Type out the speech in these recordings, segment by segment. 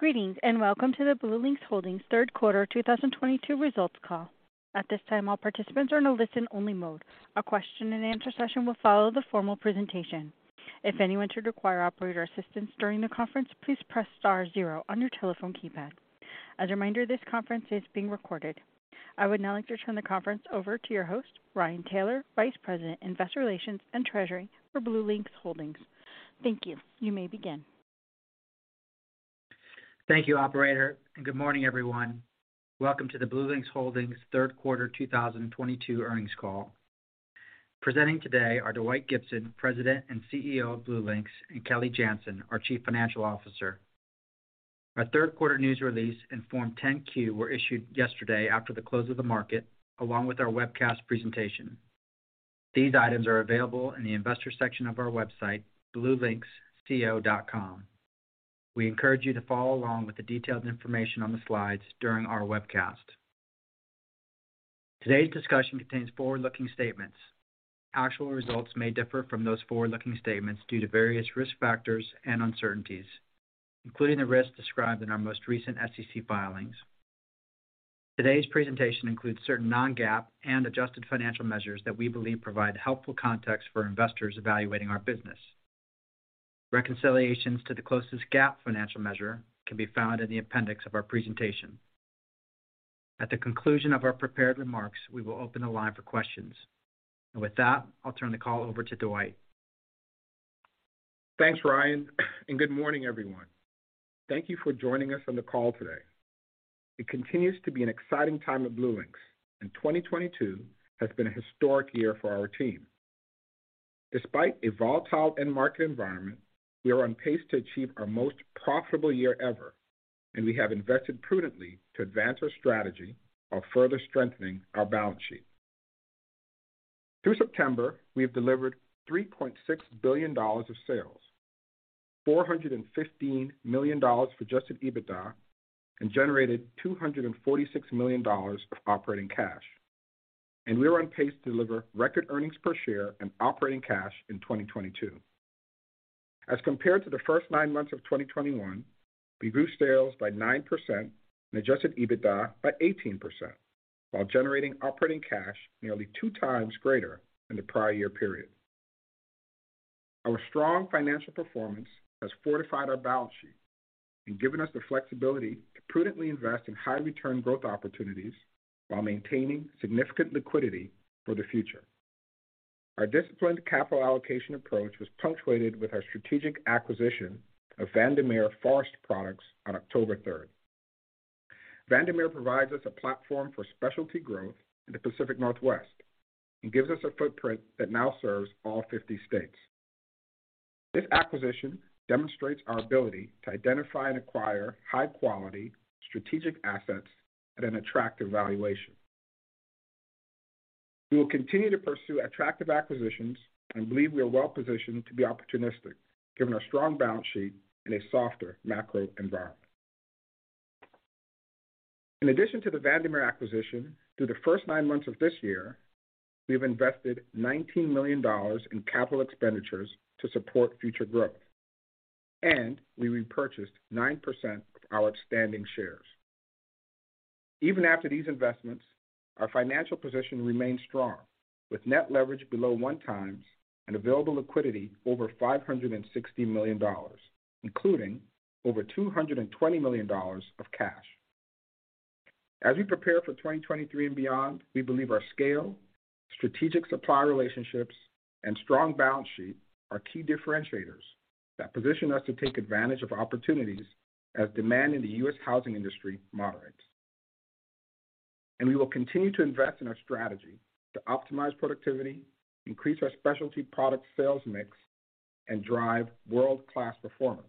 Greetings, and welcome to the BlueLinx Holdings third quarter 2022 results call. At this time, all participants are in a listen-only mode. A question-and-answer session will follow the formal presentation. If anyone should require operator assistance during the conference, please press star zero on your telephone keypad. As a reminder, this conference is being recorded. I would now like to turn the conference over to your host, Ryan Taylor, Vice President, Investor Relations and Treasury for BlueLinx Holdings. Thank you. You may begin. Thank you, operator, and good morning, everyone. Welcome to the BlueLinx Holdings third quarter 2022 earnings call. Presenting today are Dwight Gibson, President and CEO of BlueLinx, and Kelly Janzen, our Chief Financial Officer. Our third quarter news release and Form 10-Q were issued yesterday after the close of the market, along with our webcast presentation. These items are available in the investor section of our website, bluelinxco.com. We encourage you to follow along with the detailed information on the slides during our webcast. Today's discussion contains forward-looking statements. Actual results may differ from those forward-looking statements due to various risk factors and uncertainties, including the risks described in our most recent SEC filings. Today's presentation includes certain non-GAAP and adjusted financial measures that we believe provide helpful context for investors evaluating our business. Reconciliations to the closest GAAP financial measure can be found in the appendix of our presentation. At the conclusion of our prepared remarks, we will open the line for questions. With that, I'll turn the call over to Dwight. Thanks, Ryan, and good morning, everyone. Thank you for joining us on the call today. It continues to be an exciting time at BlueLinx, and 2022 has been a historic year for our team. Despite a volatile end market environment, we are on pace to achieve our most profitable year ever, and we have invested prudently to advance our strategy of further strengthening our balance sheet. Through September, we have delivered $3.6 billion of sales, $415 million for adjusted EBITDA, and generated $246 million of operating cash. We are on pace to deliver record earnings per share and operating cash in 2022. As compared to the first nine months of 2021, we grew sales by 9% and adjusted EBITDA by 18% while generating operating cash nearly two times greater than the prior year period. Our strong financial performance has fortified our balance sheet and given us the flexibility to prudently invest in high return growth opportunities while maintaining significant liquidity for the future. Our disciplined capital allocation approach was punctuated with our strategic acquisition of Vandermeer Forest Products on October 3rd. Vandermeer provides us a platform for specialty growth in the Pacific Northwest and gives us a footprint that now serves all 50 states. This acquisition demonstrates our ability to identify and acquire high-quality strategic assets at an attractive valuation. We will continue to pursue attractive acquisitions and believe we are well-positioned to be opportunistic, given our strong balance sheet in a softer macro environment. In addition to the Vandermeer acquisition, through the first nine months of this year, we've invested $19 million in capital expenditures to support future growth, and we repurchased 9% of our outstanding shares. Even after these investments, our financial position remains strong, with net leverage below 1x and available liquidity over $560 million, including over $220 million of cash. As we prepare for 2023 and beyond, we believe our scale, strategic supply relationships, and strong balance sheet are key differentiators that position us to take advantage of opportunities as demand in the U.S. housing industry moderates. We will continue to invest in our strategy to optimize productivity, increase our specialty product sales mix, and drive world-class performance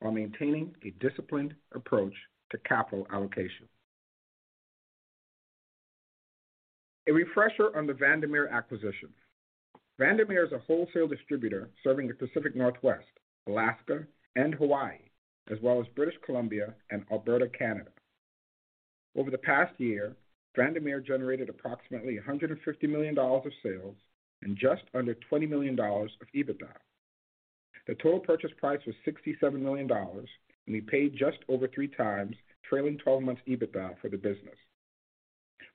while maintaining a disciplined approach to capital allocation. A refresher on the Vandermeer acquisition. Vandermeer is a wholesale distributor serving the Pacific Northwest, Alaska, and Hawaii, as well as British Columbia and Alberta, Canada. Over the past year, Vandermeer generated approximately $150 million of sales and just under $20 million of EBITDA. The total purchase price was $67 million, and we paid just over three times trailing 12 months EBITDA for the business.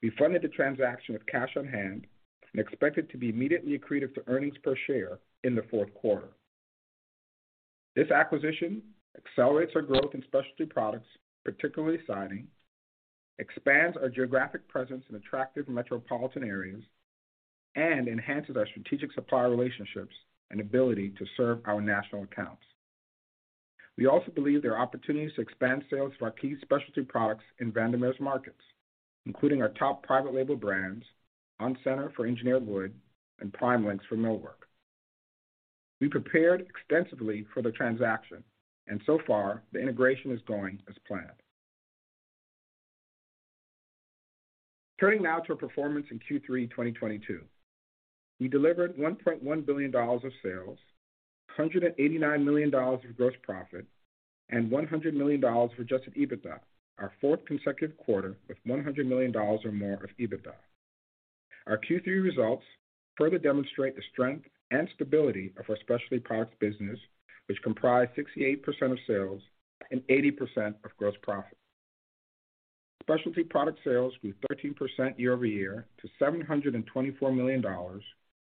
We funded the transaction with cash on hand and expect it to be immediately accretive to earnings per share in the fourth quarter. This acquisition accelerates our growth in specialty products, particularly siding, expands our geographic presence in attractive metropolitan areas, and enhances our strategic supplier relationships and ability to serve our national accounts. We also believe there are opportunities to expand sales for our key specialty products in Vandermeer's markets, including our top private label brands, onCENTER for engineered wood and PrimeLinx for millwork. We prepared extensively for the transaction, and so far, the integration is going as planned. Turning now to our performance in Q3 2022. We delivered $1.1 billion of sales, $189 million of gross profit, and $100 million for adjusted EBITDA, our fourth consecutive quarter with $100 million or more of EBITDA. Our Q3 results further demonstrate the strength and stability of our specialty products business, which comprise 68% of sales and 80% of gross profit. Specialty product sales grew 13% year-over-year to $724 million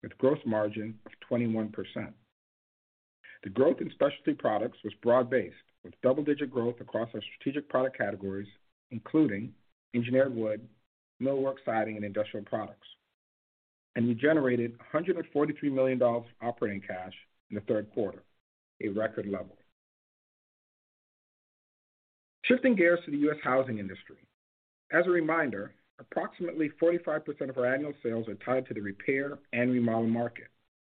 with gross margin of 21%. The growth in specialty products was broad-based, with double-digit growth across our strategic product categories, including engineered wood, millwork siding, and industrial products. We generated $143 million of operating cash in the third quarter, a record level. Shifting gears to the U.S. housing industry. As a reminder, approximately 45% of our annual sales are tied to the repair and remodel market,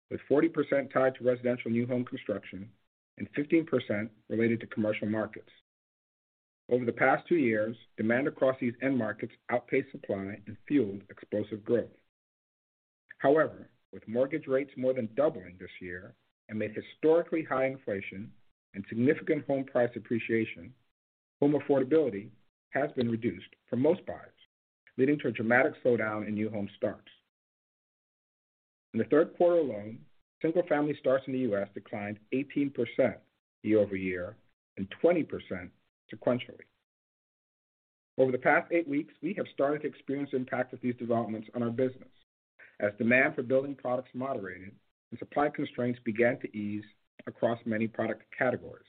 with 40% tied to residential new home construction and 15% related to commercial markets. Over the past two years, demand across these end markets outpaced supply and fueled explosive growth. However, with mortgage rates more than doubling this year amid historically high inflation and significant home price appreciation, home affordability has been reduced for most buyers, leading to a dramatic slowdown in new home starts. In the third quarter alone, single-family starts in the U.S. declined 18% year-over-year and 20% sequentially. Over the past eight weeks, we have started to experience the impact of these developments on our business as demand for building products moderated and supply constraints began to ease across many product categories.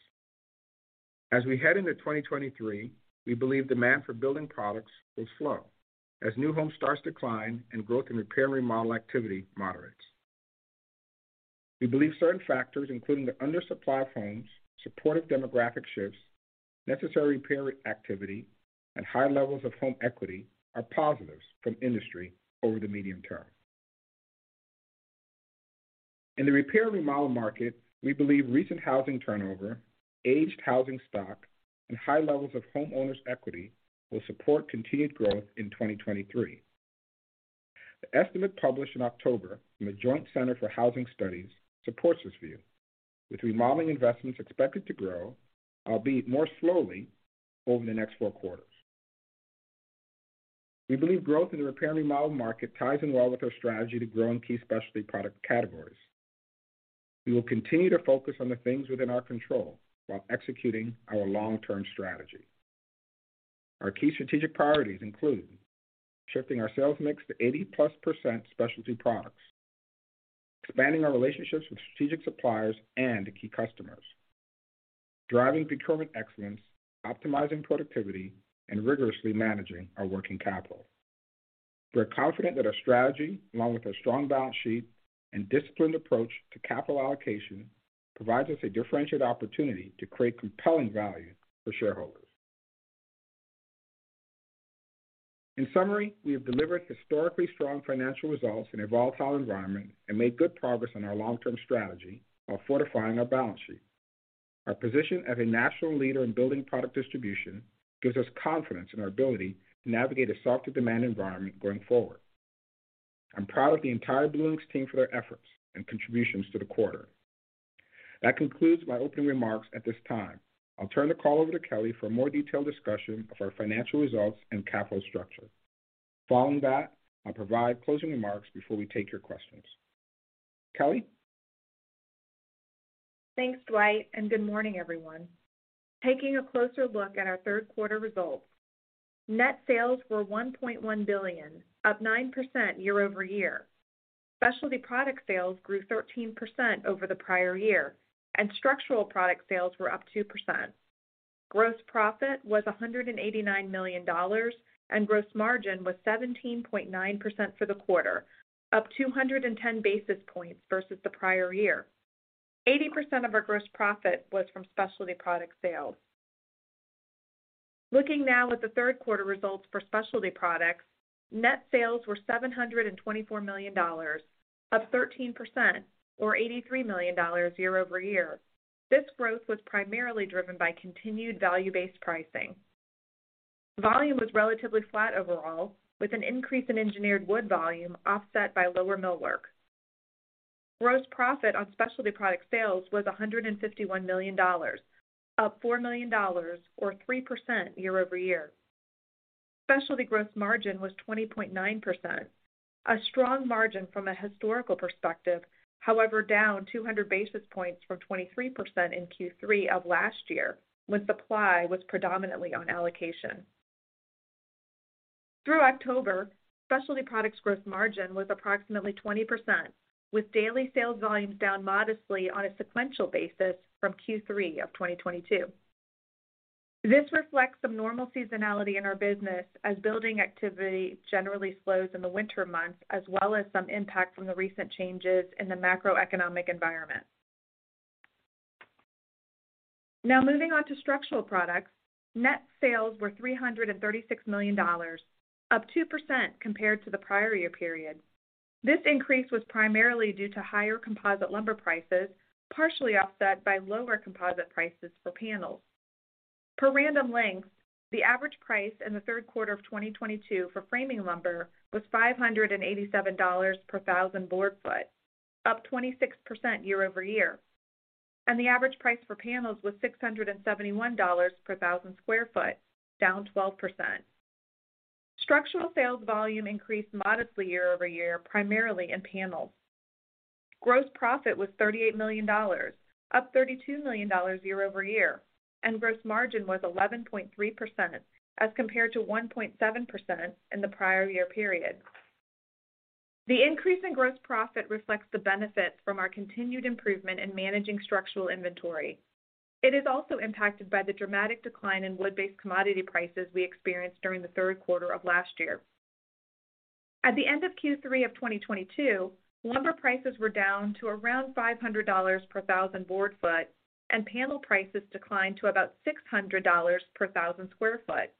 As we head into 2023, we believe demand for building products will slow as new home starts to decline and growth in repair and remodel activity moderates. We believe certain factors, including the undersupply of homes, supportive demographic shifts, necessary repair activity, and high levels of home equity are positives for the industry over the medium term. In the repair and remodel market, we believe recent housing turnover, aged housing stock, and high levels of homeowners' equity will support continued growth in 2023. The estimate published in October from the Joint Center for Housing Studies supports this view, with remodeling investments expected to grow, albeit more slowly, over the next four quarters. We believe growth in the repair and remodel market ties in well with our strategy to grow in key specialty product categories. We will continue to focus on the things within our control while executing our long-term strategy. Our key strategic priorities include shifting our sales mix to 80%+ specialty products, expanding our relationships with strategic suppliers and key customers, driving procurement excellence, optimizing productivity, and rigorously managing our working capital. We're confident that our strategy, along with our strong balance sheet and disciplined approach to capital allocation, provides us a differentiated opportunity to create compelling value for shareholders. In summary, we have delivered historically strong financial results in a volatile environment and made good progress on our long-term strategy while fortifying our balance sheet. Our position as a national leader in building product distribution gives us confidence in our ability to navigate a softer demand environment going forward. I'm proud of the entire BlueLinx team for their efforts and contributions to the quarter. That concludes my opening remarks at this time. I'll turn the call over to Kelly for a more detailed discussion of our financial results and capital structure. Following that, I'll provide closing remarks before we take your questions. Kelly? Thanks, Dwight, and good morning, everyone. Taking a closer look at our third quarter results. Net sales were $1.1 billion, up 9% year-over-year. Specialty product sales grew 13% over the prior year, and structural product sales were up 2%. Gross profit was $189 million, and gross margin was 17.9% for the quarter, up 210 basis points versus the prior year. 80% of our gross profit was from specialty product sales. Looking now at the third quarter results for specialty products, net sales were $724 million, up 13% or $83 million year-over-year. This growth was primarily driven by continued value-based pricing. Volume was relatively flat overall, with an increase in engineered wood volume offset by lower millwork. Gross profit on specialty product sales was $151 million, up $4 million or 3% year-over-year. Specialty gross margin was 20.9%, a strong margin from a historical perspective, however, down 200 basis points from 23% in Q3 of last year, when supply was predominantly on allocation. Through October, specialty products gross margin was approximately 20%, with daily sales volumes down modestly on a sequential basis from Q3 of 2022. This reflects some normal seasonality in our business as building activity generally slows in the winter months, as well as some impact from the recent changes in the macroeconomic environment. Now, moving on to structural products. Net sales were $336 million, up 2% compared to the prior year period. This increase was primarily due to higher composite lumber prices, partially offset by lower composite prices for panels. For Random Lengths, the average price in the third quarter of 2022 for framing lumber was $587 per thousand board feet, up 26% year-over-year. The average price for panels was $671 per thousand square feet, down 12%. Structural sales volume increased modestly year-over-year, primarily in panels. Gross profit was $38 million, up $32 million year-over-year, and gross margin was 11.3% as compared to 1.7% in the prior year period. The increase in gross profit reflects the benefit from our continued improvement in managing structural inventory. It is also impacted by the dramatic decline in wood-based commodity prices we experienced during the third quarter of last year. At the end of Q3 of 2022, lumber prices were down to around $500 per thousand board foot and panel prices declined to about $600 per thousand square foot,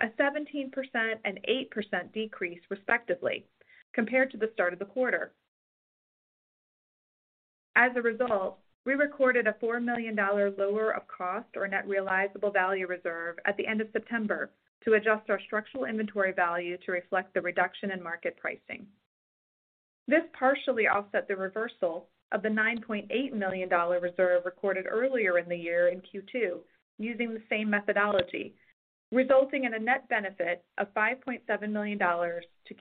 a 17% and 8% decrease, respectively, compared to the start of the quarter. As a result, we recorded a $4 million lower of cost or net realizable value reserve at the end of September to adjust our structural inventory value to reflect the reduction in market pricing. This partially offset the reversal of the $9.8 million reserve recorded earlier in the year in Q2 using the same methodology, resulting in a net benefit of $5.7 million to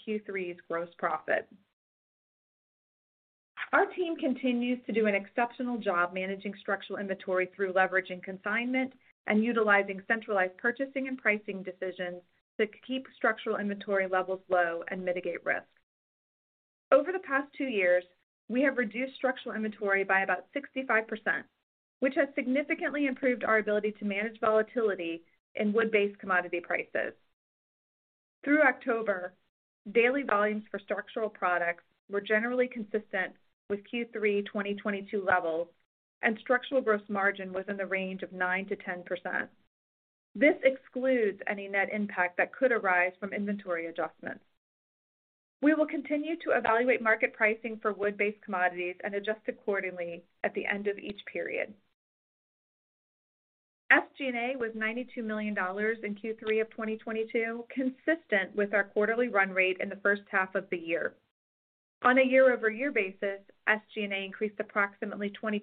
Q3's gross profit. Our team continues to do an exceptional job managing structural inventory through leverage and consignment and utilizing centralized purchasing and pricing decisions to keep structural inventory levels low and mitigate risk. Over the past two years, we have reduced structural inventory by about 65%, which has significantly improved our ability to manage volatility in wood-based commodity prices. Through October, daily volumes for structural products were generally consistent with Q3 2022 levels, and structural gross margin was in the range of 9%-10%. This excludes any net impact that could arise from inventory adjustments. We will continue to evaluate market pricing for wood-based commodities and adjust accordingly at the end of each period. SG&A was $92 million in Q3 of 2022, consistent with our quarterly run rate in the first half of the year. On a year-over-year basis, SG&A increased approximately 20%,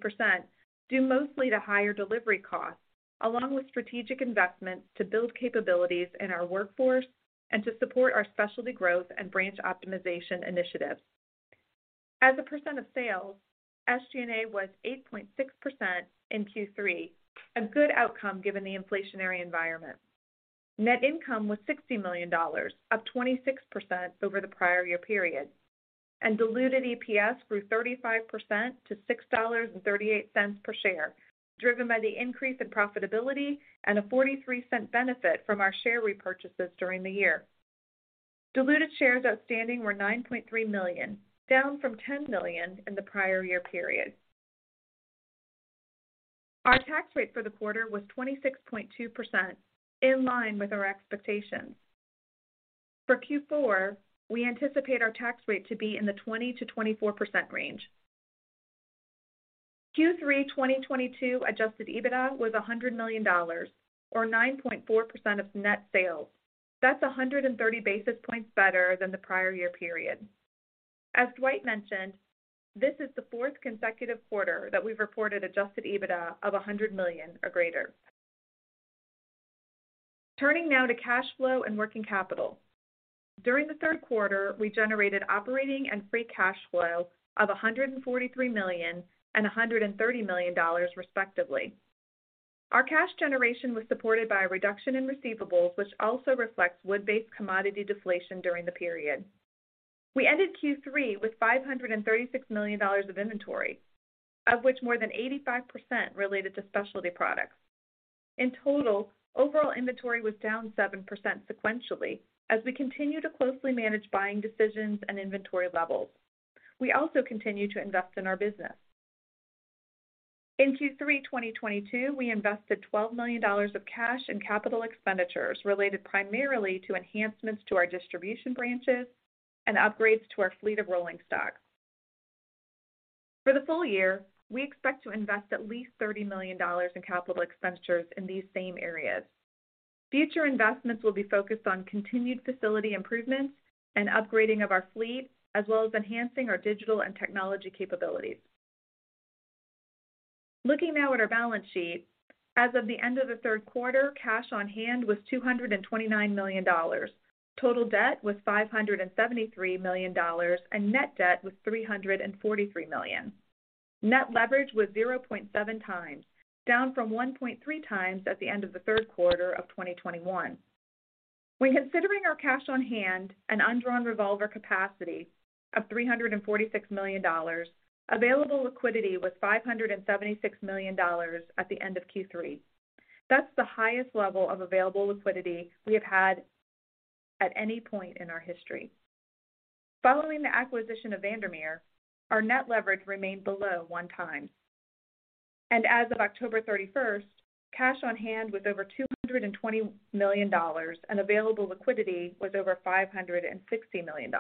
due mostly to higher delivery costs, along with strategic investments to build capabilities in our workforce and to support our specialty growth and branch optimization initiatives. As a percent of sales, SG&A was 8.6% in Q3, a good outcome given the inflationary environment. Net income was $60 million, up 26% over the prior year period, and diluted EPS grew 35% to $6.38 per share, driven by the increase in profitability and a $0.43 benefit from our share repurchases during the year. Diluted shares outstanding were 9.3 million, down from 10 million in the prior year period. Our tax rate for the quarter was 26.2%, in line with our expectations. For Q4, we anticipate our tax rate to be in the 20%-24% range. Q3 2022 adjusted EBITDA was $100 million or 9.4% of net sales. That's 130 basis points better than the prior year period. As Dwight mentioned, this is the fourth consecutive quarter that we've reported adjusted EBITDA of $100 million or greater. Turning now to cash flow and working capital. During the third quarter, we generated operating and free cash flow of $143 million and $130 million, respectively. Our cash generation was supported by a reduction in receivables, which also reflects wood-based commodity deflation during the period. We ended Q3 with $536 million of inventory, of which more than 85% related to specialty products. In total, overall inventory was down 7% sequentially as we continue to closely manage buying decisions and inventory levels. We also continue to invest in our business. In Q3 2022, we invested $12 million of cash in capital expenditures related primarily to enhancements to our distribution branches and upgrades to our fleet of rolling stock. For the full year, we expect to invest at least $30 million in capital expenditures in these same areas. Future investments will be focused on continued facility improvements and upgrading of our fleet, as well as enhancing our digital and technology capabilities. Looking now at our balance sheet. As of the end of the third quarter, cash on hand was $229 million. Total debt was $573 million, and net debt was $343 million. Net leverage was 0.7x, down from 1.3x at the end of the third quarter of 2021. When considering our cash on hand and undrawn revolver capacity of $346 million, available liquidity was $576 million at the end of Q3. That's the highest level of available liquidity we have had at any point in our history. Following the acquisition of Vandermeer, our net leverage remained below 1x. As of October 31, cash on hand was over $220 million and available liquidity was over $560 million.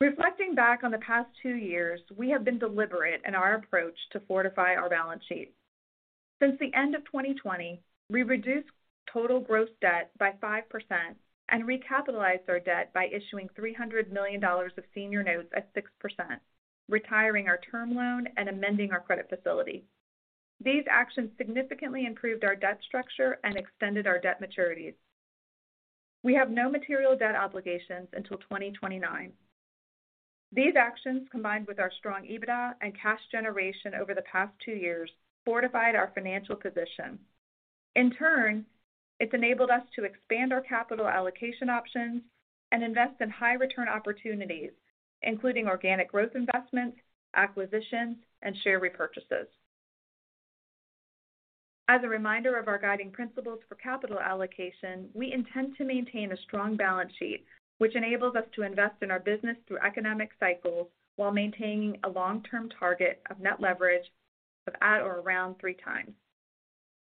Reflecting back on the past two years, we have been deliberate in our approach to fortify our balance sheet. Since the end of 2020, we reduced total gross debt by 5% and recapitalized our debt by issuing $300 million of senior notes at 6%, retiring our term loan and amending our credit facility. These actions significantly improved our debt structure and extended our debt maturities. We have no material debt obligations until 2029. These actions, combined with our strong EBITDA and cash generation over the past two years, fortified our financial position. In turn, it's enabled us to expand our capital allocation options and invest in high return opportunities, including organic growth investments, acquisitions, and share repurchases. As a reminder of our guiding principles for capital allocation, we intend to maintain a strong balance sheet, which enables us to invest in our business through economic cycles while maintaining a long-term target of net leverage of at or around 3x.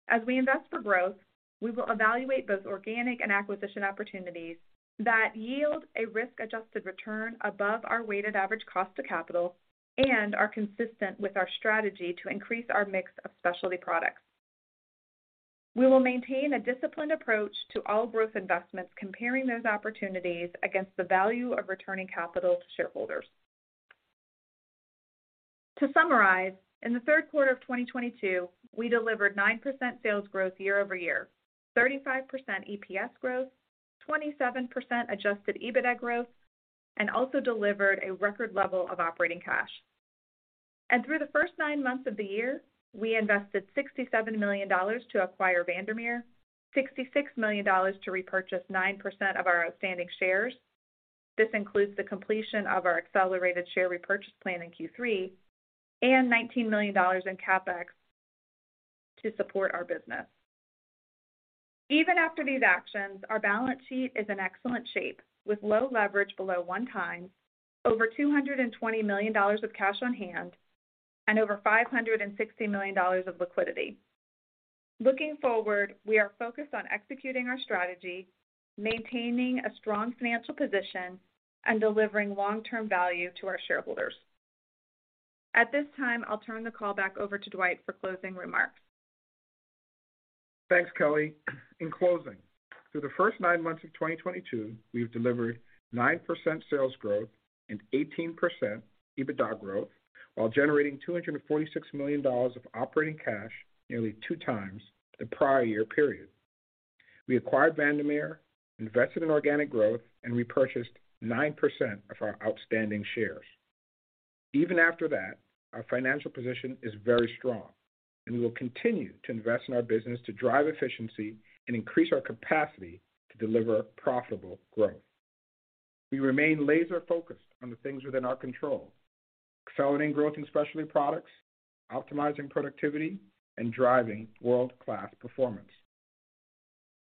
As we invest for growth, we will evaluate both organic and acquisition opportunities that yield a risk-adjusted return above our weighted average cost of capital and are consistent with our strategy to increase our mix of specialty products. We will maintain a disciplined approach to all growth investments, comparing those opportunities against the value of returning capital to shareholders. To summarize, in the third quarter of 2022, we delivered 9% sales growth year-over-year, 35% EPS growth, 27% adjusted EBITDA growth, and also delivered a record level of operating cash. Through the first nine months of the year, we invested $67 million to acquire Vandermeer, $66 million to repurchase 9% of our outstanding shares. This includes the completion of our accelerated share repurchase plan in Q3 and $19 million in CapEx to support our business. Even after these actions, our balance sheet is in excellent shape with low leverage below 1x, over $220 million of cash on hand, and over $560 million of liquidity. Looking forward, we are focused on executing our strategy, maintaining a strong financial position, and delivering long-term value to our shareholders. At this time, I'll turn the call back over to Dwight for closing remarks. Thanks, Kelly. In closing, through the first nine months of 2022, we've delivered 9% sales growth and 18% EBITDA growth while generating $246 million of operating cash, nearly two times the prior year period. We acquired Vandermeer, invested in organic growth, and repurchased 9% of our outstanding shares. Even after that, our financial position is very strong, and we will continue to invest in our business to drive efficiency and increase our capacity to deliver profitable growth. We remain laser-focused on the things within our control, accelerating growth in specialty products, optimizing productivity, and driving world-class performance.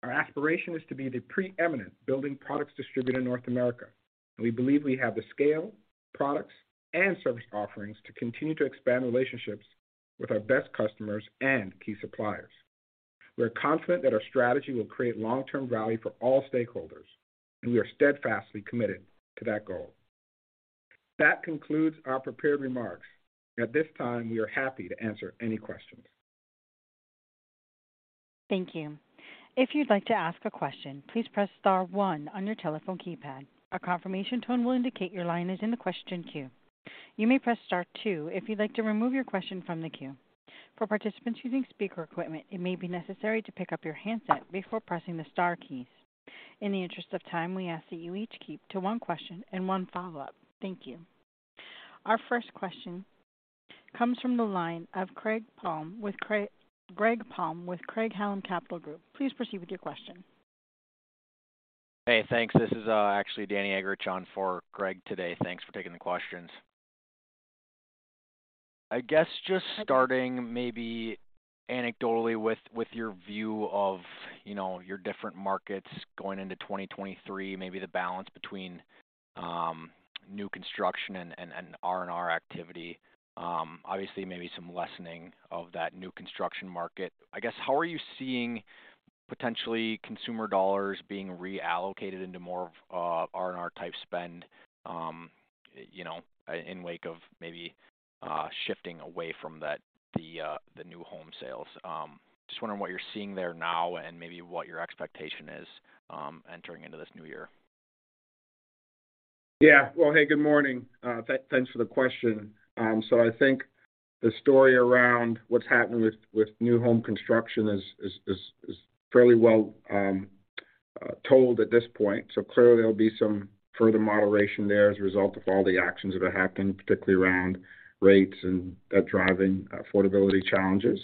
Our aspiration is to be the preeminent building products distributor in North America. We believe we have the scale, products, and service offerings to continue to expand relationships with our best customers and key suppliers. We are confident that our strategy will create long-term value for all stakeholders, and we are steadfastly committed to that goal. That concludes our prepared remarks. At this time, we are happy to answer any questions. Thank you. If you'd like to ask a question, please press star one on your telephone keypad. A confirmation tone will indicate your line is in the question queue. You may press star two if you'd like to remove your question from the queue. For participants using speaker equipment, it may be necessary to pick up your handset before pressing the star keys. In the interest of time, we ask that you each keep to one question and one follow-up. Thank you. Our first question comes from the line of Greg Palm with Craig-Hallum Capital Group. Please proceed with your question. Hey, thanks. This is, actually Danny Eggerichs for Greg today. Thanks for taking the questions. I guess just starting maybe anecdotally with your view of, you know, your different markets going into 2023, maybe the balance between new construction and R&R activity, obviously maybe some lessening of that new construction market. I guess how are you seeing potentially consumer dollars being reallocated into more R&R type spend, you know, in wake of maybe shifting away from the new home sales? Just wondering what you're seeing there now and maybe what your expectation is, entering into this new year. Yeah. Well, hey, good morning. Thanks for the question. I think the story around what's happened with new home construction is fairly well told at this point. Clearly, there'll be some further moderation there as a result of all the actions that have happened, particularly around rates and that driving affordability challenges.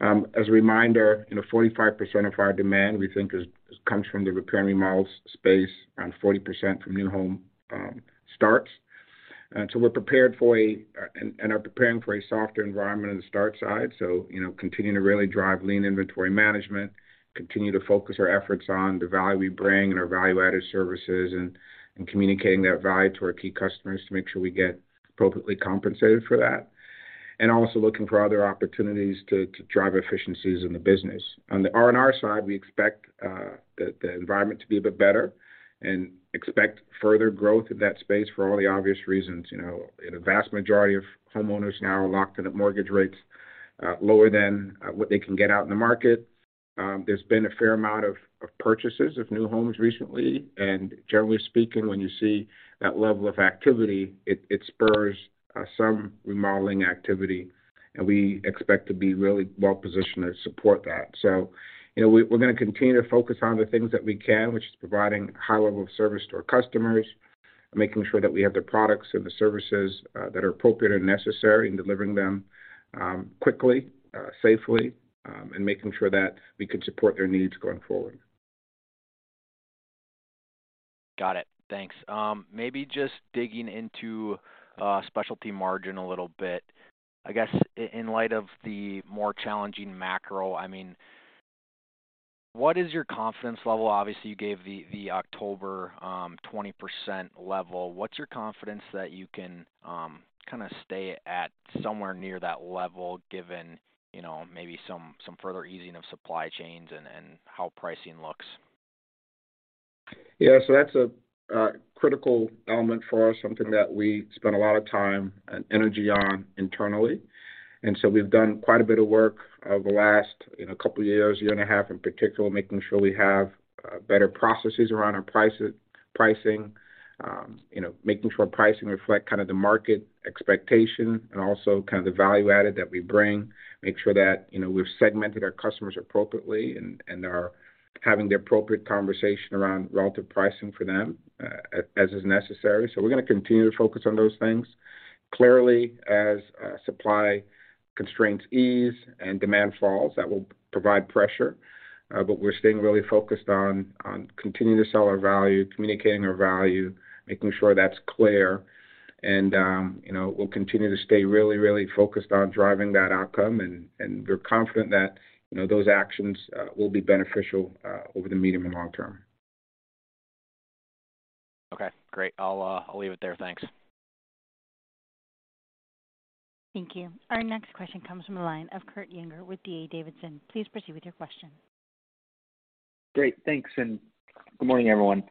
As a reminder, you know, 45% of our demand, we think is comes from the repair and remodel space and 40% from new home starts. We're prepared for and are preparing for a softer environment on the start side. You know, continuing to really drive lean inventory management, continue to focus our efforts on the value we bring and our value-added services and communicating that value to our key customers to make sure we get appropriately compensated for that. Also looking for other opportunities to drive efficiencies in the business. On the R&R side, we expect the environment to be a bit better and expect further growth in that space for all the obvious reasons. You know, the vast majority of homeowners now are locked into mortgage rates lower than what they can get out in the market. There's been a fair amount of purchases of new homes recently, and generally speaking, when you see that level of activity, it spurs some remodeling activity, and we expect to be really well-positioned to support that. You know, we're gonna continue to focus on the things that we can, which is providing a high level of service to our customers, making sure that we have the products and the services that are appropriate and necessary, and delivering them quickly, safely, and making sure that we can support their needs going forward. Got it. Thanks. Maybe just digging into specialty margin a little bit. I guess in light of the more challenging macro, I mean, what is your confidence level? Obviously, you gave the October 20% level. What's your confidence that you can kinda stay at somewhere near that level given, you know, maybe some further easing of supply chains and how pricing looks? Yeah. That's a critical element for us, something that we spend a lot of time and energy on internally. We've done quite a bit of work over the last, you know, couple years, year and a half in particular, making sure we have better processes around our pricing, you know, making sure pricing reflect kind of the market expectation and also kind of the value add that we bring, make sure that, you know, we've segmented our customers appropriately and are having the appropriate conversation around relative pricing for them as is necessary. We're gonna continue to focus on those things. Clearly, as supply constraints ease and demand falls, that will provide pressure, but we're staying really focused on continuing to sell our value, communicating our value, making sure that's clear. You know, we'll continue to stay really focused on driving that outcome and we're confident that, you know, those actions will be beneficial over the medium and long term. Okay, great. I'll leave it there. Thanks. Thank you. Our next question comes from the line of Kurt Yinger with D.A. Davidson. Please proceed with your question. Great. Thanks, and good morning, everyone.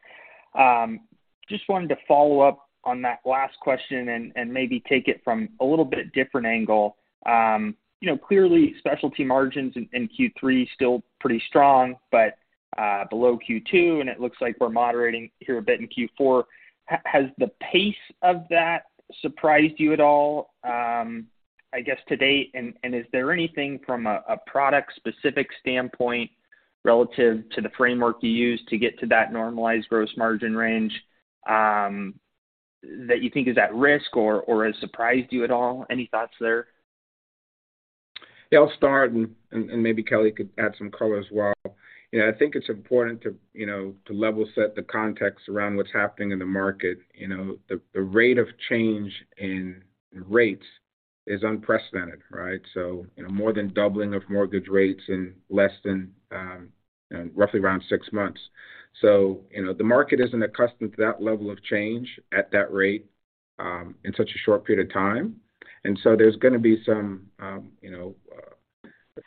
Just wanted to follow up on that last question and maybe take it from a little bit different angle. You know, clearly specialty margins in Q3 still pretty strong, but below Q2, and it looks like we're moderating here a bit in Q4. Has the pace of that surprised you at all, I guess to date? And is there anything from a product-specific standpoint relative to the framework you use to get to that normalized gross margin range, that you think is at risk or has surprised you at all? Any thoughts there? Yeah, I'll start and maybe Kelly could add some color as well. You know, I think it's important to, you know, to level set the context around what's happening in the market. You know, the rate of change in rates is unprecedented, right? More than doubling of mortgage rates in less than, you know, roughly around six months. You know, the market isn't accustomed to that level of change at that rate in such a short period of time. There's gonna be some, you know,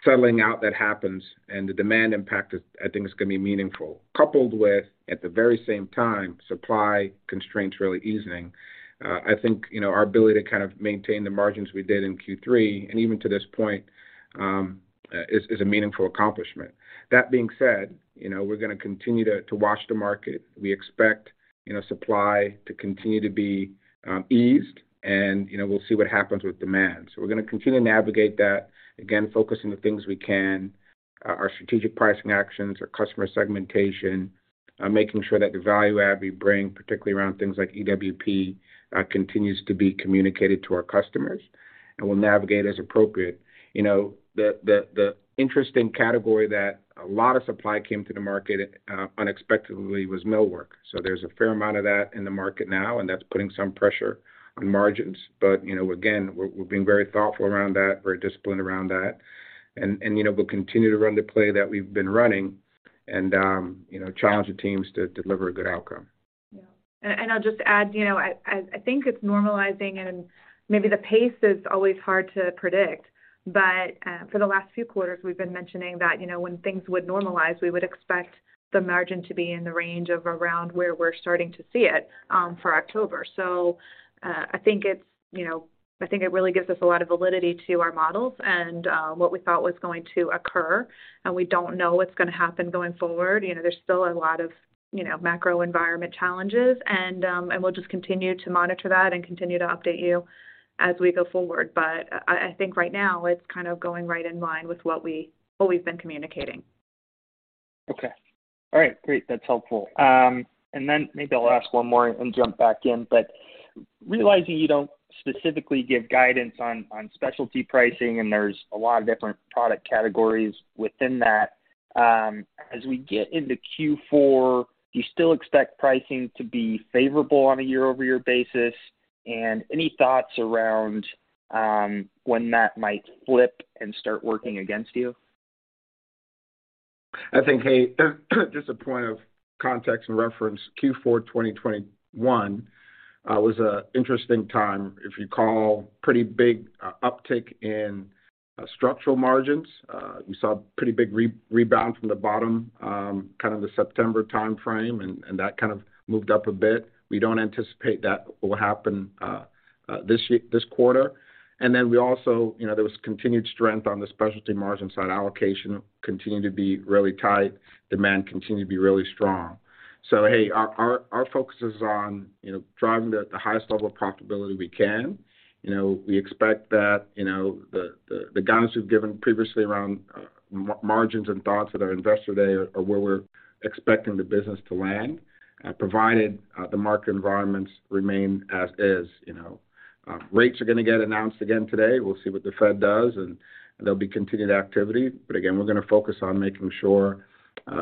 settling out that happens, and the demand impact is, I think, is gonna be meaningful. Coupled with, at the very same time, supply constraints really easing, I think, you know, our ability to kind of maintain the margins we did in Q3 and even to this point, is a meaningful accomplishment. That being said, you know, we're gonna continue to watch the market. We expect, you know, supply to continue to be eased and, you know, we'll see what happens with demand. We're gonna continue to navigate that, again, focusing the things we can, our strategic pricing actions, our customer segmentation, making sure that the value add we bring, particularly around things like EWP, continues to be communicated to our customers, and we'll navigate as appropriate. You know, the interesting category that a lot of supply came to the market unexpectedly was millwork. There's a fair amount of that in the market now, and that's putting some pressure on margins. You know, again, we're being very thoughtful around that, very disciplined around that. You know, we'll continue to run the play that we've been running and, you know, challenge the teams to deliver a good outcome. Yeah. I'll just add, you know, I think it's normalizing and maybe the pace is always hard to predict, but for the last few quarters, we've been mentioning that, you know, when things would normalize, we would expect the margin to be in the range of around where we're starting to see it for October. I think it's, you know, I think it really gives us a lot of validity to our models and what we thought was going to occur, and we don't know what's gonna happen going forward. You know, there's still a lot of, you know, macro environment challenges and we'll just continue to monitor that and continue to update you as we go forward. I think right now it's kind of going right in line with what we've been communicating. Okay. All right. Great. That's helpful. Maybe I'll ask one more and jump back in. Realizing you don't specifically give guidance on specialty pricing and there's a lot of different product categories within that, as we get into Q4, do you still expect pricing to be favorable on a year-over-year basis? Any thoughts around when that might flip and start working against you? I think, hey, just a point of context and reference. Q4 2021 was an interesting time. If you call pretty big uptick in structural margins. We saw pretty big rebound from the bottom, kind of the September timeframe, and that kind of moved up a bit. We don't anticipate that will happen this quarter. You know, there was continued strength on the specialty margin side. Allocation continued to be really tight, demand continued to be really strong. Hey, our focus is on, you know, driving the highest level of profitability we can. You know, we expect that, you know, the guidance we've given previously around margins and thoughts at our Investor Day are where we're expecting the business to land, provided the market environments remain as is, you know. Rates are gonna get announced again today. We'll see what the Fed does, and there'll be continued activity. Again, we're gonna focus on making sure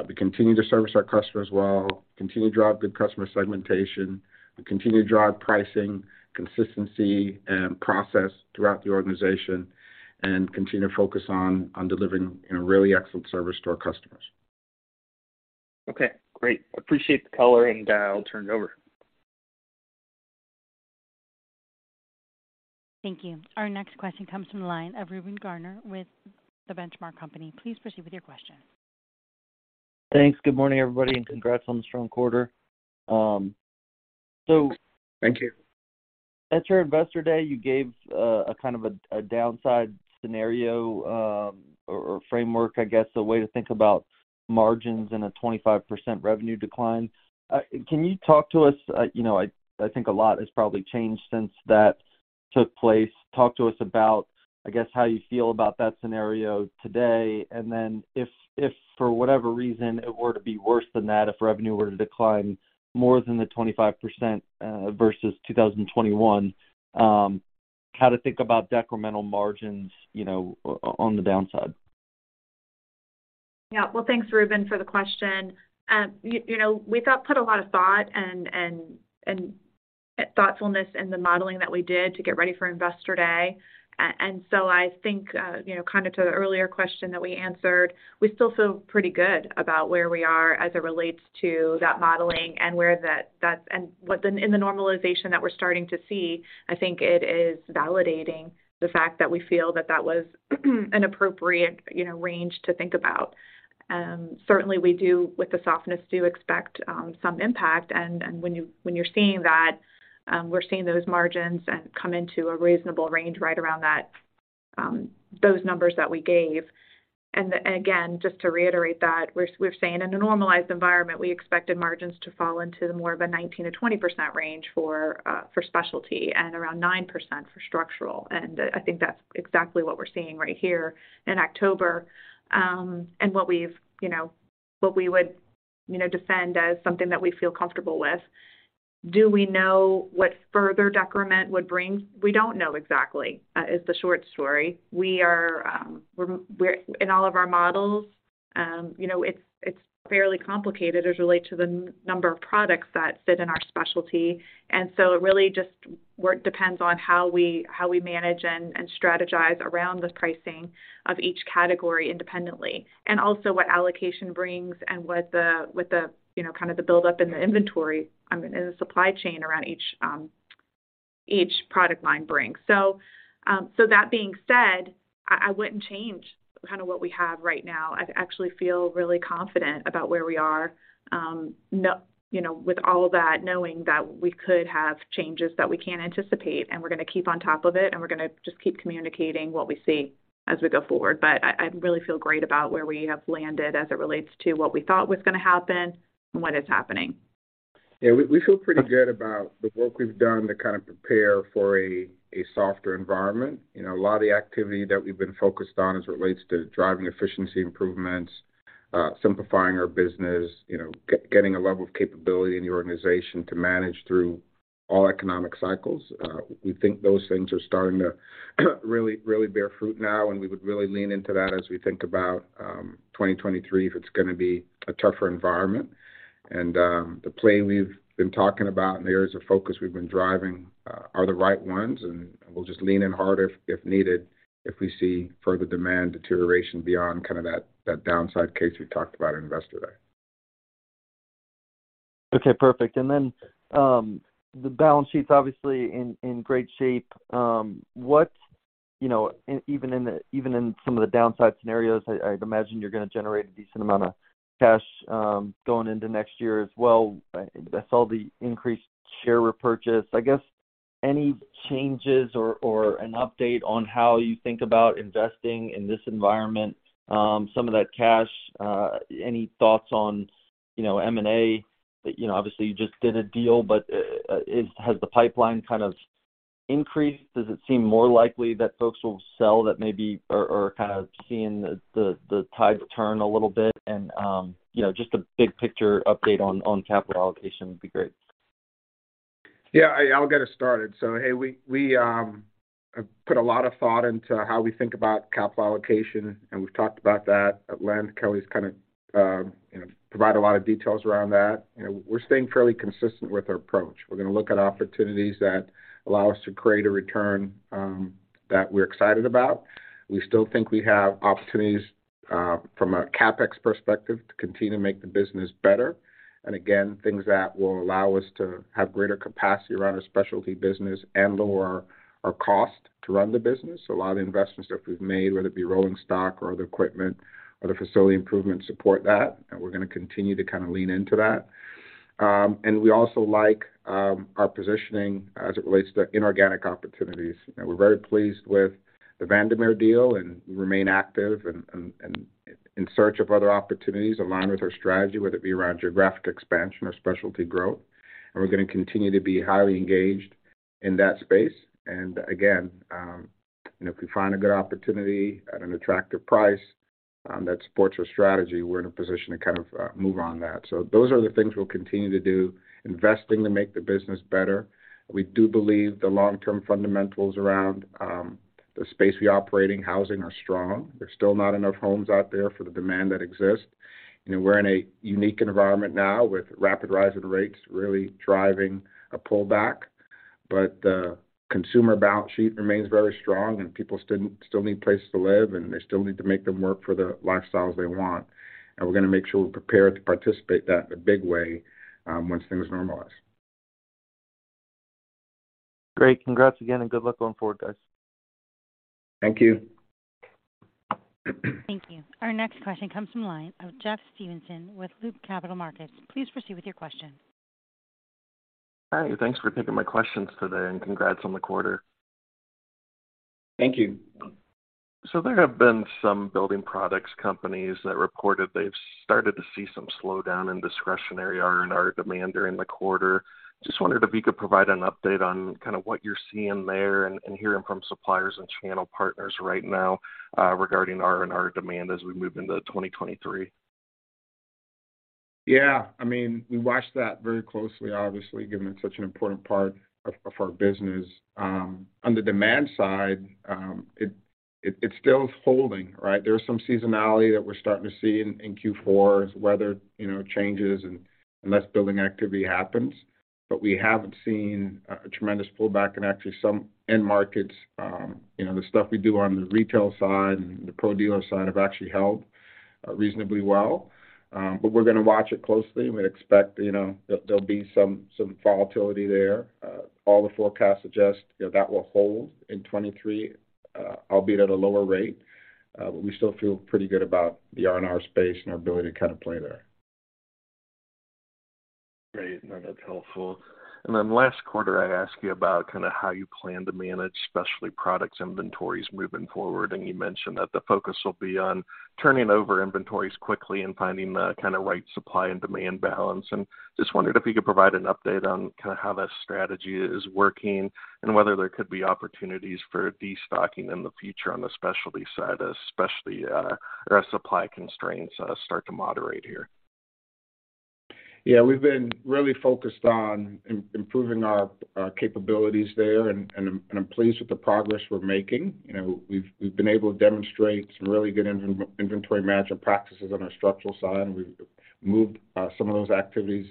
we continue to service our customers well, continue to drive good customer segmentation, we continue to drive pricing, consistency, and process throughout the organization, and continue to focus on delivering, you know, really excellent service to our customers. Okay, great. Appreciate the color, and, I'll turn it over. Thank you. Our next question comes from the line of Reuben Garner with The Benchmark Company. Please proceed with your question. Thanks. Good morning, everybody, and congrats on the strong quarter. Thank you. At your Investor Day, you gave a kind of a downside scenario or framework, I guess, a way to think about margins in a 25% revenue decline. Can you talk to us? You know, I think a lot has probably changed since that took place. Talk to us about, I guess, how you feel about that scenario today. Then if for whatever reason it were to be worse than that, if revenue were to decline more than the 25% versus 2021, how to think about decremental margins, you know, on the downside? Yeah. Well, thanks, Reuben, for the question. You know, we put a lot of thought and thoughtfulness in the modeling that we did to get ready for Investor Day. I think, you know, kind of to the earlier question that we answered, we still feel pretty good about where we are as it relates to that modeling and the normalization that we're starting to see. I think it is validating the fact that we feel that that was an appropriate, you know, range to think about. Certainly we do, with the softness, do expect some impact. When you're seeing that, we're seeing those margins come into a reasonable range right around those numbers that we gave. Again, just to reiterate that, we're saying in a normalized environment, we expected margins to fall into more of a 19%-20% range for specialty and around 9% for structural. I think that's exactly what we're seeing right here in October, and what we would, you know, defend as something that we feel comfortable with. Do we know what further decrement would bring? We don't know exactly is the short story. In all of our models, you know, it's fairly complicated as it relates to the number of products that fit in our specialty. It really just depends on how we manage and strategize around the pricing of each category independently and also what allocation brings and what the, you know, kind of the buildup in the inventory in the supply chain around each product line brings. That being said, I wouldn't change kinda what we have right now. I actually feel really confident about where we are, you know, with all of that, knowing that we could have changes that we can't anticipate. We're gonna keep on top of it, and we're gonna just keep communicating what we see as we go forward. I really feel great about where we have landed as it relates to what we thought was gonna happen and what is happening. Yeah, we feel pretty good about the work we've done to kind of prepare for a softer environment. You know, a lot of the activity that we've been focused on as it relates to driving efficiency improvements, simplifying our business, you know, getting a level of capability in the organization to manage through all economic cycles. We think those things are starting to really bear fruit now, and we would really lean into that as we think about 2023, if it's gonna be a tougher environment. The play we've been talking about and the areas of focus we've been driving are the right ones, and we'll just lean in harder if needed if we see further demand deterioration beyond kind of that downside case we talked about at Investor Day. Okay, perfect. The balance sheet's obviously in great shape. You know, even in some of the downside scenarios, I'd imagine you're gonna generate a decent amount of cash going into next year as well. I saw the increased share repurchase. I guess any changes or an update on how you think about investing in this environment, some of that cash? Any thoughts on, you know, M&A. You know, obviously you just did a deal, but has the pipeline kind of increased? Does it seem more likely that folks will sell that maybe are kind of seeing the tide turn a little bit? You know, just a big picture update on capital allocation would be great. Yeah, I'll get us started. Hey, we have put a lot of thought into how we think about capital allocation, and we've talked about that at length. Kelly's kinda, you know, provided a lot of details around that. You know, we're staying fairly consistent with our approach. We're gonna look at opportunities that allow us to create a return that we're excited about. We still think we have opportunities from a CapEx perspective to continue to make the business better, and again, things that will allow us to have greater capacity around our specialty business and lower our cost to run the business. A lot of the investments that we've made, whether it be rolling stock or other equipment, other facility improvements support that, and we're going to continue to kind of lean into that. We also like our positioning as it relates to inorganic opportunities. You know, we're very pleased with the Vandermeer deal and remain active and in search of other opportunities aligned with our strategy, whether it be around geographic expansion or specialty growth. We're going to continue to be highly engaged in that space. Again, you know, if we find a good opportunity at an attractive price that supports our strategy, we're in a position to kind of move on that. Those are the things we'll continue to do, investing to make the business better. We do believe the long-term fundamentals around the space we operate in, housing are strong. There's still not enough homes out there for the demand that exists. You know, we're in a unique environment now with rapid rise in rates really driving a pullback. The consumer balance sheet remains very strong, and people still need places to live, and they still need to make them work for the lifestyles they want. We're going to make sure we're prepared to participate in that in a big way, once things normalize. Great. Congrats again, and good luck going forward, guys. Thank you. Thank you. Our next question comes from the line of Jeff Stevenson with Loop Capital Markets. Please proceed with your question. Hi. Thanks for taking my questions today, and congrats on the quarter. Thank you. There have been some building products companies that reported they've started to see some slowdown in discretionary R&R demand during the quarter. Just wondering if you could provide an update on kind of what you're seeing there and hearing from suppliers and channel partners right now, regarding R&R demand as we move into 2023? Yeah. I mean, we watch that very closely, obviously, given it's such an important part of our business. On the demand side, it's still holding, right? There's some seasonality that we're starting to see in Q4 as weather, you know, changes and less building activity happens. We haven't seen a tremendous pullback in actually some end markets. You know, the stuff we do on the retail side and the pro dealer side have actually held reasonably well. We're gonna watch it closely, and we expect, you know, there'll be some volatility there. All the forecasts suggest, you know, that will hold in 2023, albeit at a lower rate. We still feel pretty good about the R&R space and our ability to kind of play there. Great. No, that's helpful. Then last quarter, I asked you about kind of how you plan to manage specialty products inventories moving forward, and you mentioned that the focus will be on turning over inventories quickly and finding the kind of right supply and demand balance. Just wondered if you could provide an update on kind of how that strategy is working and whether there could be opportunities for destocking in the future on the specialty side, especially, or as supply constraints start to moderate here? Yeah. We've been really focused on improving our capabilities there, and I'm pleased with the progress we're making. You know, we've been able to demonstrate some really good inventory management practices on our structural side, and we've moved some of those activities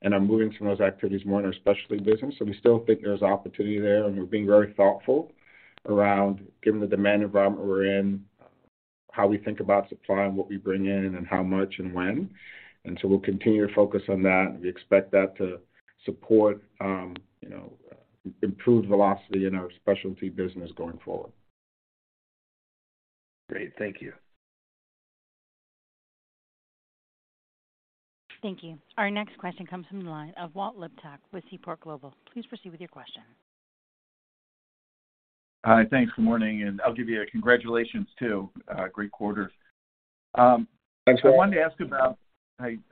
and are moving some of those activities more in our specialty business. We still think there's opportunity there, and we're being very thoughtful around, given the demand environment we're in, how we think about supply and what we bring in and how much and when. We'll continue to focus on that. We expect that to support, you know, improved velocity in our specialty business going forward. Great. Thank you. Thank you. Our next question comes from the line of Walt Liptak with Seaport Global. Please proceed with your question. Hi. Thanks. Good morning, and I'll give you a congratulations too, great quarter. Thanks, Walt.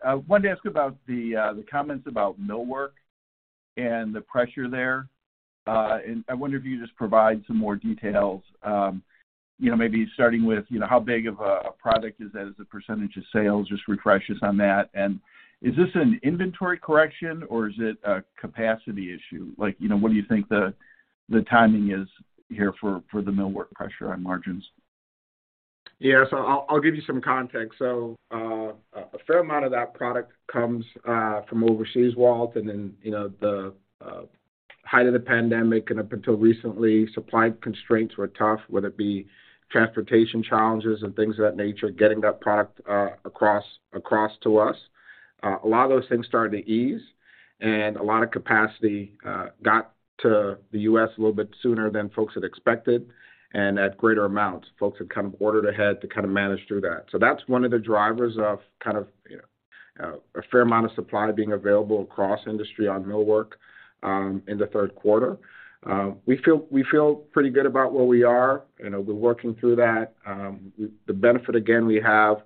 I wanted to ask about the comments about millwork and the pressure there. I wonder if you could just provide some more details, you know, maybe starting with, you know, how big of a product is that as a percentage of sales, just refresh us on that. Is this an inventory correction, or is it a capacity issue? Like, you know, what do you think the timing is here for the millwork pressure on margins? Yeah. I'll give you some context. A fair amount of that product comes from overseas, Walt, and then, you know, the height of the pandemic and up until recently, supply constraints were tough, whether it be transportation challenges and things of that nature, getting that product across to us. A lot of those things started to ease, and a lot of capacity got to the U.S. a little bit sooner than folks had expected and at greater amounts. Folks had kind of ordered ahead to kind of manage through that. That's one of the drivers of kind of, you know, a fair amount of supply being available across industry on millwork in the third quarter. We feel pretty good about where we are. You know, we're working through that. The benefit again we have,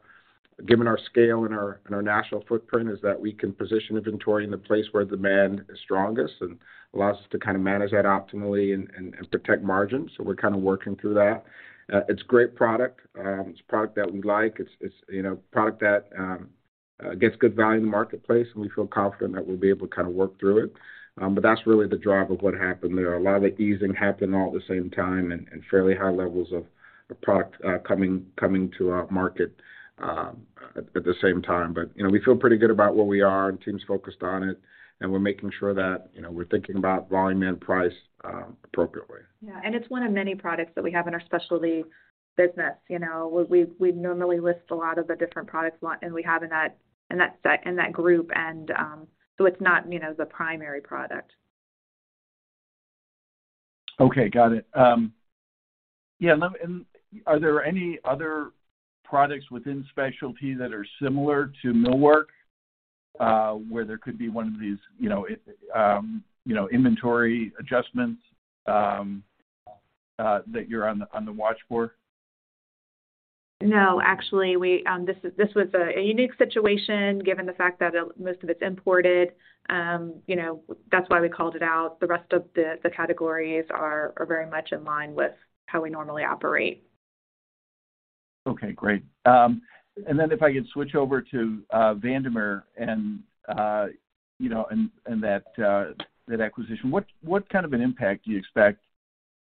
given our scale and our national footprint, is that we can position inventory in the place where demand is strongest and allows us to kind of manage that optimally and protect margins. We're kind of working through that. It's great product. It's product that we like. It's, you know, product that gets good value in the marketplace, and we feel confident that we'll be able to kind of work through it. That's really the driver of what happened there. A lot of the easing happened all at the same time and fairly high levels of product coming to our market at the same time. You know, we feel pretty good about where we are, and team's focused on it, and we're making sure that, you know, we're thinking about volume and price, appropriately. Yeah. It's one of many products that we have in our specialty business. You know, we normally list a lot of the different products and we have in that group. It's not, you know, the primary product. Okay, got it. Yeah. Are there any other products within specialty that are similar to millwork, where there could be one of these, you know, inventory adjustments that you're on the watch for? No, actually, this was a unique situation given the fact that most of it's imported. You know, that's why we called it out. The rest of the categories are very much in line with how we normally operate. Okay, great. If I could switch over to Vandermeer and that acquisition. What kind of an impact do you expect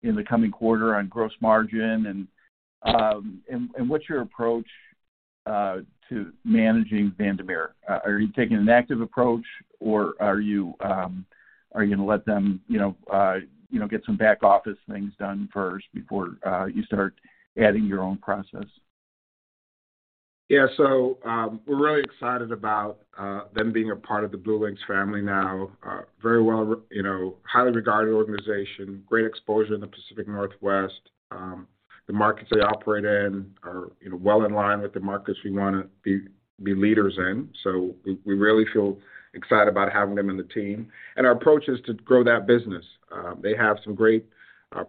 in the coming quarter on gross margin and what's your approach to managing Vandermeer? Are you taking an active approach or are you gonna let them, you know, get some back office things done first before you start adding your own process? Yeah. We're really excited about them being a part of the BlueLinx family now. You know, highly regarded organization, great exposure in the Pacific Northwest. The markets they operate in are, you know, well in line with the markets we wanna be leaders in. We really feel excited about having them in the team. Our approach is to grow that business. They have some great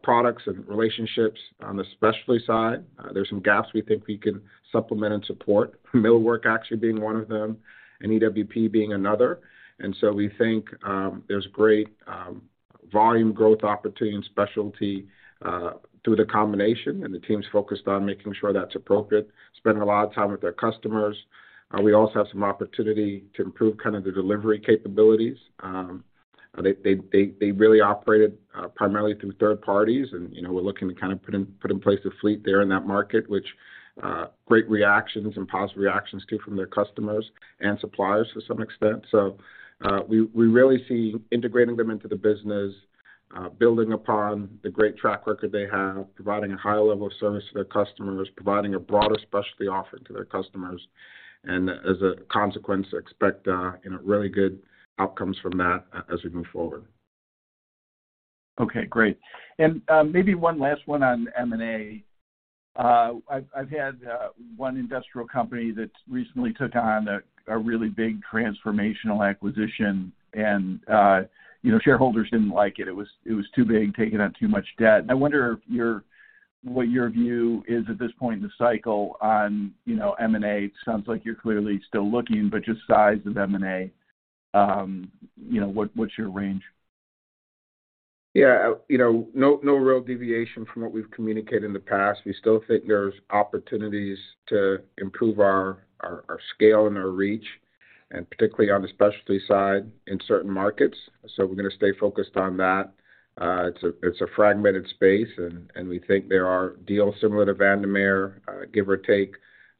products and relationships on the specialty side. There's some gaps we think we can supplement and support, millwork actually being one of them and EWP being another. We think there's great volume growth opportunity in specialty through the combination, and the team's focused on making sure that's appropriate, spending a lot of time with their customers. We also have some opportunity to improve kind of the delivery capabilities. They really operated primarily through third parties and, you know, we're looking to kind of put in place a fleet there in that market which great reactions and positive reactions too from their customers and suppliers to some extent. We really see integrating them into the business, building upon the great track record they have, providing a high level of service to their customers, providing a broader specialty offering to their customers. As a consequence, expect you know, really good outcomes from that as we move forward. Okay, great. Maybe one last one on M&A. I've had one industrial company that recently took on a really big transformational acquisition and, you know, shareholders didn't like it. It was too big, taking on too much debt. I wonder what your view is at this point in the cycle on, you know, M&A. Sounds like you're clearly still looking, but just size of M&A, you know, what's your range? Yeah. You know, no real deviation from what we've communicated in the past. We still think there's opportunities to improve our scale and our reach, and particularly on the specialty side in certain markets. We're gonna stay focused on that. It's a fragmented space and we think there are deals similar to Vandermeer, give or take,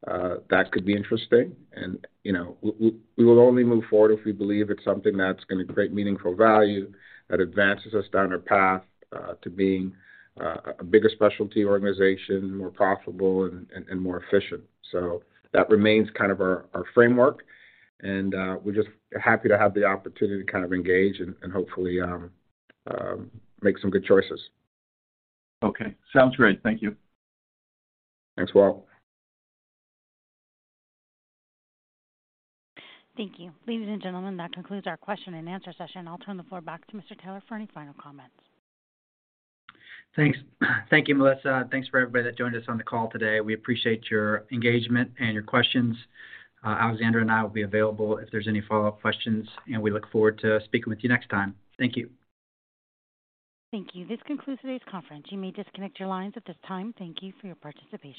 that could be interesting. You know, we will only move forward if we believe it's something that's gonna create meaningful value that advances us down a path to being a bigger specialty organization, more profitable and more efficient. That remains kind of our framework and we're just happy to have the opportunity to kind of engage and hopefully make some good choices. Okay. Sounds great. Thank you. Thanks, Walt. Thank you. Ladies and gentlemen, that concludes our question and answer session. I'll turn the floor back to Mr. Taylor for any final comments. Thanks. Thank you, Melissa, and thanks for everybody that joined us on the call today. We appreciate your engagement and your questions. Alexandra and I will be available if there's any follow-up questions, and we look forward to speaking with you next time. Thank you. Thank you. This concludes today's conference. You may disconnect your lines at this time. Thank you for your participation.